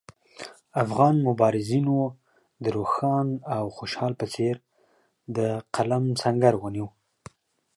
افغان مبارزینو د روښان او خوشحال په څېر د قلم سنګر ونیو.